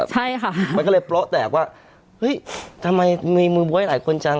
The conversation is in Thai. ใช่ค่ะมันก็เลยโป๊ะแตกว่าเฮ้ยทำไมมีมือบ๊วยหลายคนจัง